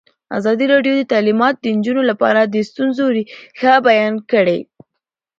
ازادي راډیو د تعلیمات د نجونو لپاره د ستونزو رېښه بیان کړې.